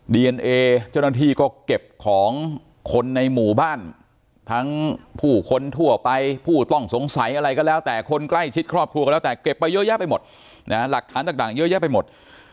ดีเอนเอเจ้าหน้าที่ก็เก็บของคนในหมู่บ้านทั้งผู้คนทั่วไปผู้ต้องสงสัยอะไรก็แล้วแต่คนใกล้ชิดครอบครัวก็แล้วแต่เก็บไปเยอะแยะไปหมดนะฮะหลักฐานต่างเยอะแยะไปหมด